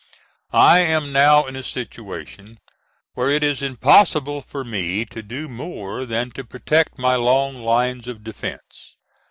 I am now in a situation where it is impossible for me to do more than to protect my long lines of defence.